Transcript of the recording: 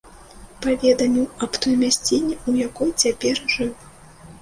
Паведаміў аб той мясціне, у якой цяпер жыў.